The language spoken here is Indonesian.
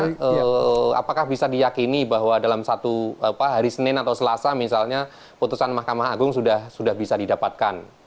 karena apakah bisa diyakini bahwa dalam satu hari senin atau selasa misalnya putusan mahkamah agung sudah bisa didapatkan